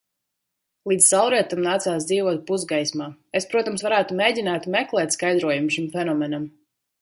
Līdz saulrietam nācās dzīvot pusgaismā. Es, protams, varētu mēģināt meklēt skaidrojumu šim fenomenam.